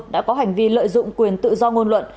đã có hành vi lợi dụng quyền tự do ngôn luận